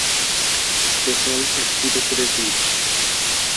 Stossel ha escrito tres libros.